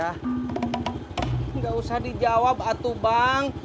enggak usah dijawab atu bang